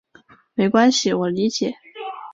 没关系，我理解。